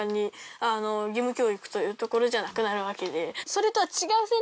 それとは。